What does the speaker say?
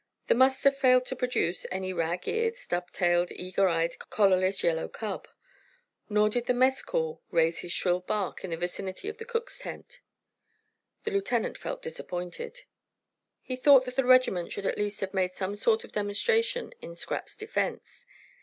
The muster failed to produce any rag eared, stub tailed, eager eyed, collarless yellow cub. Nor did the mess call raise his shrill bark in the vicinity of the cook's tent. The lieutenant felt disappointed. He thought that the regiment should at least have made some sort of demonstration in Scrap's defense.